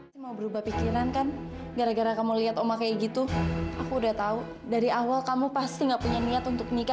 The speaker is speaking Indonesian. sampai jumpa di video selanjutnya